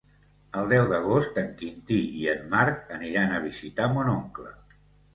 El deu d'agost en Quintí i en Marc aniran a visitar mon oncle.